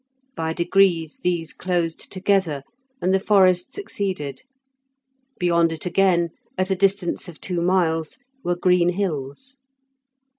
By degrees these closed together, and the forest succeeded; beyond it again, at a distance of two miles, were green hills.